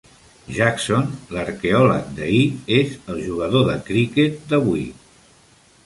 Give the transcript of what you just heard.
Jackson, l"arqueòleg d"ahir, és el jugador de criquet d"avui.